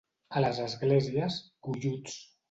A les Esglésies, golluts.